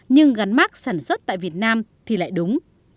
nhưng gắn mát sản xuất tại việt nam thì lại đúng